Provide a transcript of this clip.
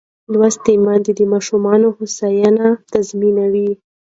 لوستې میندې د ماشوم هوساینه تضمینوي.